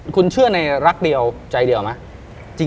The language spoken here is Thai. คุณเชื่อในรักเดียวใจเดียวไหม